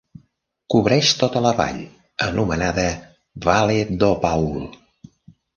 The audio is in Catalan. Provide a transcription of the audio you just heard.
Cobreix tota la vall, anomenada Vale do Paul.